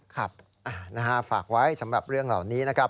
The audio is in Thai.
ครับฝากไว้สำหรับเรื่องเหล่านี้นะครับ